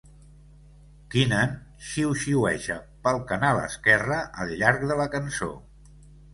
Keenan xiuxiueja pel canal esquerre al llarg de la cançó.